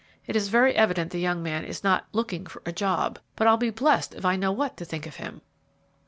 It is very evident the young man is not 'looking for a job;' but I'll be blessed if I know what to think of him!"